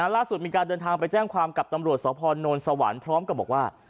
ล่าสุดมีการเดินทางไปแจ้งความกับตำรวจสพนสวรรค์พร้อมกับบอกว่า